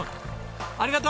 ありがとう。